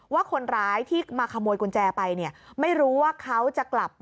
ว่าคนร้ายที่มาขโมยกุญแจไปเนี่ยไม่รู้ว่าเขาจะกลับ